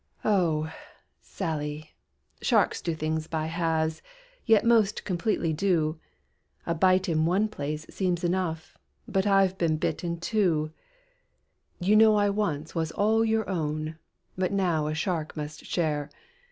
"Oh! Sally, sharks do things by halves, Yet most completely do! A bite in one place soems enough, But I've been bit in two. "You know I once was all your own, But now a shark must share!